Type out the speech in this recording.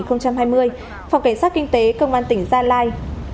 phòng cảnh sát kinh tế công an tỉnh gia lai